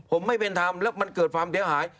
ผมไม่เป็นธรรมแล้วมันเกิดความเสียหาย